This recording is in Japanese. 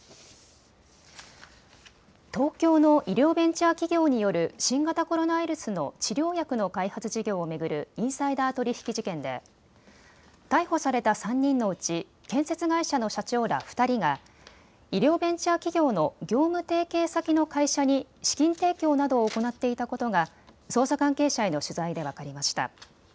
東京の医療ベンチャー企業による新型コロナウイルスの治療薬の開発事業を巡るインサイダー取引事件で逮捕された３人のうち建設会社の社長ら２人が医療ベンチャー企業の業務提携先の会社に資金提供などを行っていたことが捜査関係者への取材で分かりました。